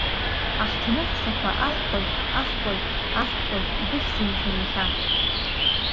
Аҳҭныҳәсақәа Аҳкәажә, аҳкәажә, аҳкәажә, ибыхьзеи, мшәан, иахьа?